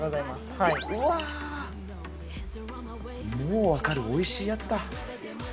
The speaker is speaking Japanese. うわー、もう分かる、おいしいやつだ。